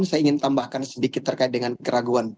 saya ingin tambahkan sedikit terkait dengan keraguan